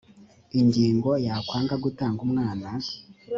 ingingo ya kwanga gutanga umwana